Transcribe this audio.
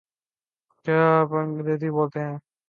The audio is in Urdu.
کیا آپ انگریزی بولتے ہیں؟